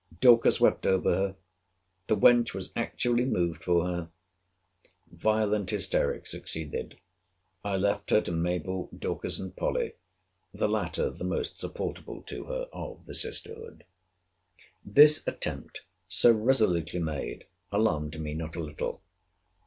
Dorcas wept over her. The wench was actually moved for her! Violent hysterics succeeded. I left her to Mabell, Dorcas, and Polly; the latter the most supportable to her of the sisterhood. This attempt, so resolutely made, alarmed me not a little.